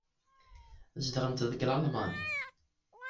Zedɣent deg Lalman.